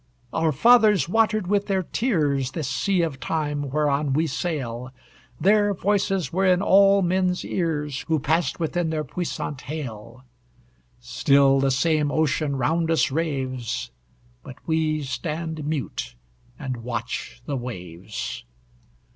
Our fathers watered with their tears This sea of time whereon we sail; Their voices were in all men's ears Who passed within their puissant hail. Still the same ocean round us raves, But we stand mute and watch the waves.